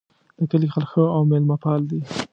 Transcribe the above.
د کلي خلک ښه او میلمه پال دي